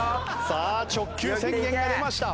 さあ直球宣言が出ました。